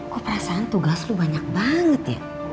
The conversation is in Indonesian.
kok perasaan tugas lu banyak banget ya